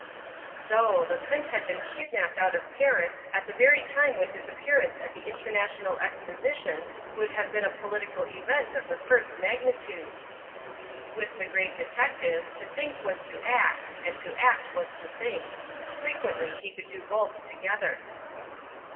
So! The Prince had been kidnapped out of Paris at the very time when his appearance at the International Exposition would have been a political event of the first magnitude. With the Great Detective to think was to act, and to act was to think. Frequently he could do both together.